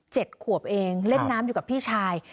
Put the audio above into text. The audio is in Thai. ขวบเองเล่นน้ำอยู่กับพี่ชาย